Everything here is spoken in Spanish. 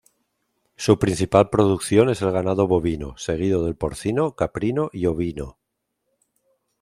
Su principal producción es el ganado bovino, seguido del porcino, caprino y ovino.